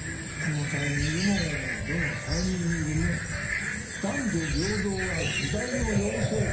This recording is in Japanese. このタイミングもどのタイミングも男女平等は時代の要請。